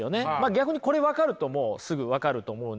逆にこれ分かるともうすぐ分かると思うんですが。